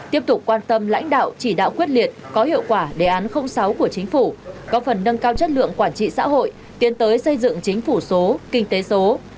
tiếp tục quan tâm lãnh đạo chỉ đạo quyết liệt có hiệu quả đề án sáu của chính phủ có phần nâng cao chất lượng quản trị xã hội tiến tới xây dựng chính phủ số kinh tế số